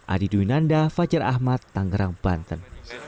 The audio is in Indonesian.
adi dwinanda fajar ahmad tangerang banten